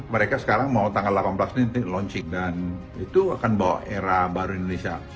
mereka sekarang mau tanggal delapan belas ini launching dan itu akan bawa era baru indonesia